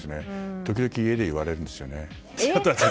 時々、家で言われるんですよね。